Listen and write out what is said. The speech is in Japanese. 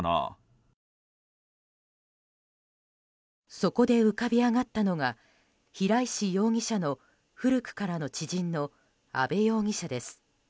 そこで浮かび上がったのが平石容疑者の古くからの知人の阿部容疑者です。